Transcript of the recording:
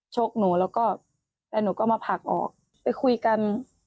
ชกหนูแล้วก็แล้วหนูก็มาผลักออกไปคุยกัน